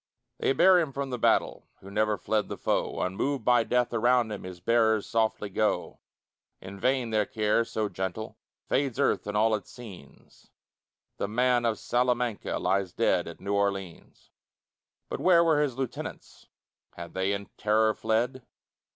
They bear him from the battle Who never fled the foe; Unmoved by death around them His bearers softly go. In vain their care, so gentle, Fades earth and all its scenes; The man of Salamanca Lies dead at New Orleans. But where were his lieutenants? Had they in terror fled?